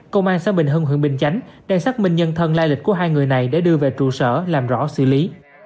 công an xã bình hưng huyện bình chánh đang xác minh nhân thân lai lịch của hai người này để đưa về trụ sở làm rõ xử lý